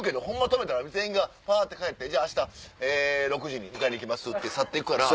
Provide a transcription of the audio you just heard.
止めたら全員がパって帰って「明日６時に迎えに来ます」って去って行くから。